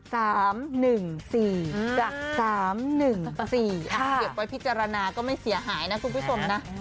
เห็นประวัติพิจารณาก็ไม่เสียหายนะครู้ผู้ชม